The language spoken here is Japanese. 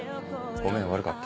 ごめん悪かった。